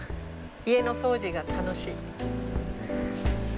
家の掃除が楽しい。